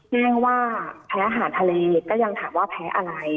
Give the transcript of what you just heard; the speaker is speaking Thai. ง่ายว่าแพ้อาหารทะเลก็ยังถามว่าแพ้อะไร